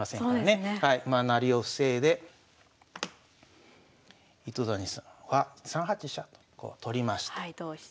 まあ成りを防いで糸谷さんは３八飛車とこう取りました。